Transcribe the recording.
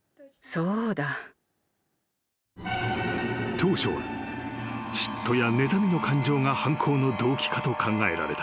［当初は嫉妬やねたみの感情が犯行の動機かと考えられた］